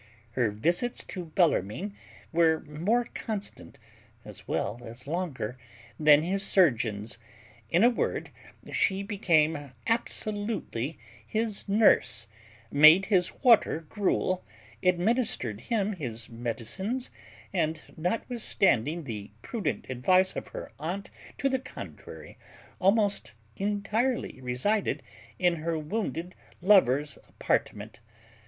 Her visits to Bellarmine were more constant, as well as longer, than his surgeon's: in a word, she became absolutely his nurse; made his water gruel, administered him his medicines; and, notwithstanding the prudent advice of her aunt to the contrary, almost intirely resided in her wounded lover's apartment.